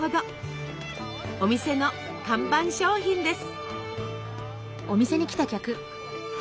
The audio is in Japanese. お店の看板商品です。